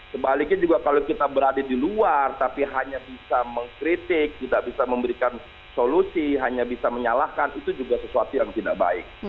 sebaliknya juga kalau kita berada di luar tapi hanya bisa mengkritik tidak bisa memberikan solusi hanya bisa menyalahkan itu juga sesuatu yang tidak baik